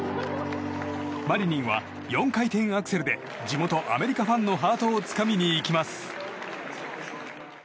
マリニンは４回転アクセルで地元アメリカファンのハートをつかみに行きます。